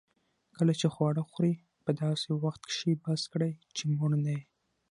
کله چي خواړه خورې؛ په داسي وخت کښې بس کړئ، چي موړ نه يې.